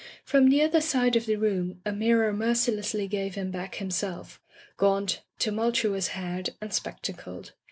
From the other side of the room, a mirror mercilessly gave him back himself — gaunt, tumultuous haired, and spectacled.